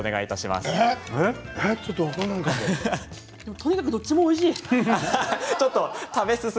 とにかくどっちもおいしい。